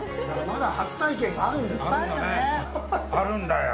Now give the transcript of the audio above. まだ初体験があるんですよ。